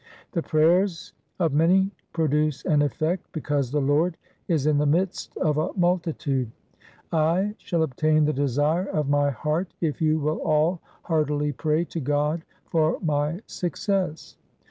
The prayers of many produce an effect, because the Lord is in the midst of a multitude. I shall obtain the desire of my heart if you will all heartily pray to God for my success.'